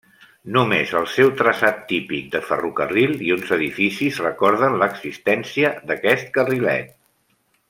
Només el seu traçat típic de ferrocarril i uns edificis recorden l'existència d'aquest carrilet.